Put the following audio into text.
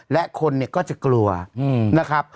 และคนก็จะกลัวนะครับ